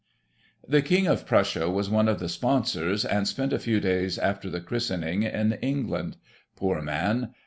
The King of Prussia was' one of the Sponsors, and spent a few days after the christening in England. Poor man